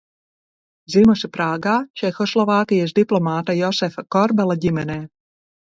Dzimusi Prāgā Čehoslovākijas diplomāta Josefa Korbela ģimenē.